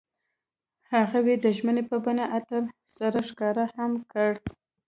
هغوی د ژمنې په بڼه عطر سره ښکاره هم کړه.